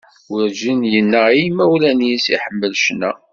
Werğin yenna i yimawlan-is iḥemmel ccna.